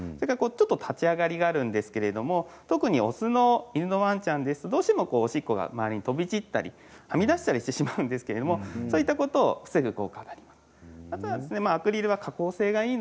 立ち上がりがあるんですけれど特に雄の犬のワンちゃんですとどうしても、おしっこが前に飛び散ったりはみ出したりしてしまうんですけれどそういったことを防ぐ効果があります。